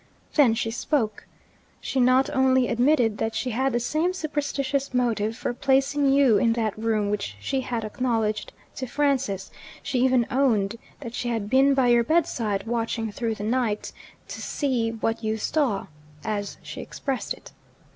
Then she spoke. She not only admitted that she had the same superstitious motive for placing you in that room which she had acknowledged to Francis she even owned that she had been by your bedside, watching through the night, "to see what you saw," as she expressed it.